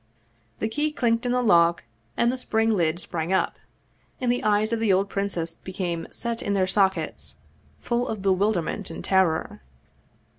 The key clicked in the lock, the spring lid sprang up, and the eyes of the old princess became set in their sockets, full of bewilderment and terror.